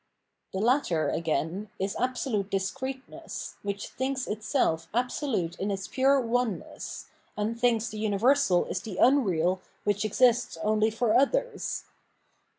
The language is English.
The latter, again, is absolute discreteness, which thinks 681 Evil and Forgiveness Itself absolute m its pure oneness, and thinVa the universal is the unreal which exists only for others.